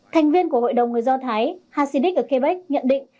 thành viên của hội đồng người do thái hasidic ở quebec nhận định